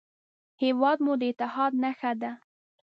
هېواد مو د اتحاد نښه ده